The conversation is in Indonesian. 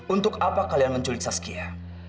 untuk apa kalian menculik saskia